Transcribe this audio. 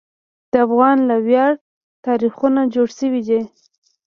د افغان له ویاړه تاریخونه جوړ شوي دي.